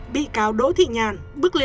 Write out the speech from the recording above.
bị cáo đỗ thị nhàn bức liên